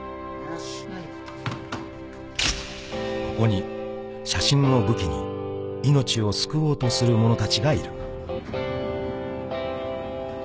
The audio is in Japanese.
［ここに写真を武器に命を救おうとする者たちがいる］